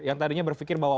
yang tadinya berpikir bahwa